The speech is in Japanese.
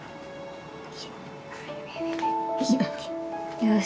よし！